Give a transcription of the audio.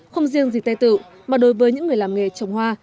không riêng gì tây tự mà đối với những người làm nghề trồng hoa